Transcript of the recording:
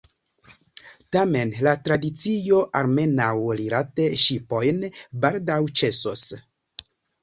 Tamen la tradicio, almenaŭ rilate ŝipojn, baldaŭ ĉesos.